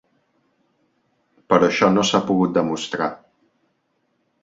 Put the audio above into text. Però això no s'ha pogut demostrar.